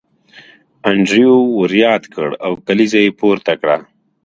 انډریو ور یاد کړ او کلیزه یې پورته کړه